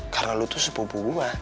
karena lo tuh sepupu gue